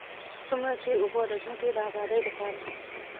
څومره چې اوبه د ځمکې د ابادۍ لپاره.